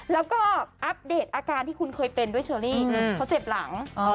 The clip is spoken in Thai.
แล้วก็อัปเดตอาการที่คุณเคยเป็นด้วยเชอรี่เขาเจ็บหลัง